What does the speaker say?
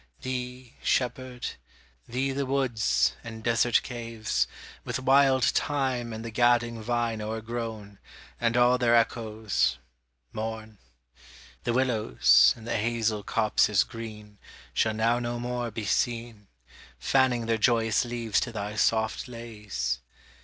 Thee, shepherd, thee the woods, and desert caves, With wild thyme and the gadding vine o'ergrown, And all their echoes, mourn; The willows, and the hazel copses green, Shall now no more be seen, Fanning their joyous leaves to thy soft lays.